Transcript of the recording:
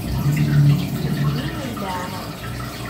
Din i nella